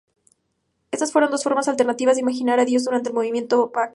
Estas fueron dos formas alternativas de imaginar a Dios durante el movimiento bhakti.